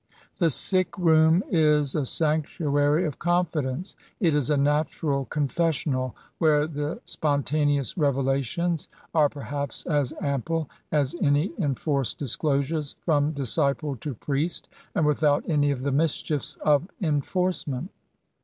The sick room is a sanctuary of confidence. It is a natural confessional, where the spontaneous revelations are perhaps as ample as any enforced disclosures from disciple to priest, and without any of the mischiefs of enforcement.